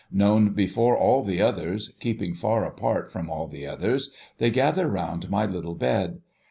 Known before all the others, keeping far apart from all the others, they gather round my little bed.